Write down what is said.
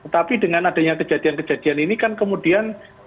tapi dengan adanya kejadian kejadian ini kan kemudian